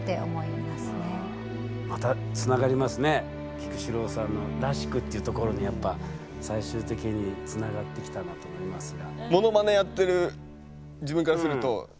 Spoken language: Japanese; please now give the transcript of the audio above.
菊紫郎さんの「らしく」っていうところにやっぱ最終的につながってきたなと思いますが。